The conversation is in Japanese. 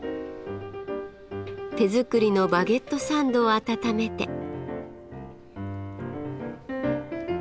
手作りのバゲットサンドを温めて。